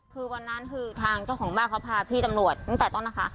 คือวันนั้นคือทางเจ้าของบ้านเขาพาพี่ตำรวจตั้งแต่ต้นนะคะ